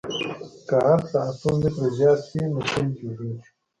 که عرض له اتو مترو زیات شي نو پل جوړیږي